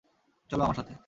চলো আমার সাথে!